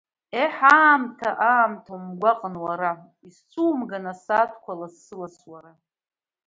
Еҳ, аамҭа, аамҭа, умгәаҟын уара, исцәумган асааҭқәа лассы-ласс уара!